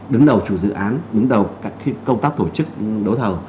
đứng đầu chủ dự án đứng đầu các công tác tổ chức đấu thầu